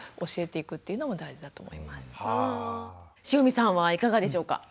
汐見さんはいかがでしょうか？